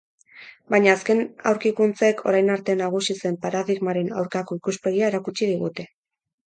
Baina azken aurkikuntzek orain arte nagusi zen paradigmaren aurkako ikuspegia erakutsi digute.